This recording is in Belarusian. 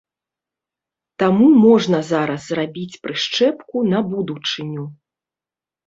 Таму можна зараз зрабіць прышчэпку на будучыню.